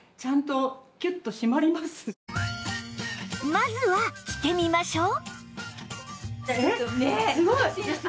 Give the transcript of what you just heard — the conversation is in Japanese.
まずは着てみましょう